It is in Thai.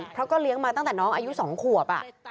เพราะก็เลี้ยงมาตั้งแต่น้องอายุ๒ขวบ